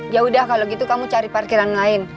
yaudah kalo gitu kamu cari parkiran lain